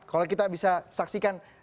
kalau kita bisa saksikan